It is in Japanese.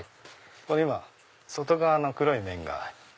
今外側の黒い面が。